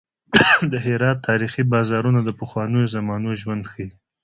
د هرات تاریخي بازارونه د پخوانیو زمانو ژوند ښيي.